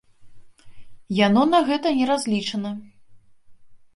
Яно на гэта не разлічана.